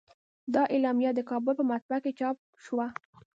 دا اعلامیه د کابل په مطبعه کې چاپ شوه.